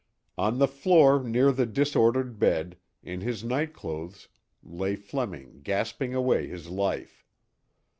On the floor near the disordered bed, in his night clothes, lay Fleming gasping away his life.